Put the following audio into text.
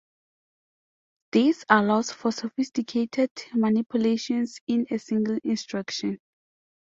This allows for sophisticated manipulations in a single instruction.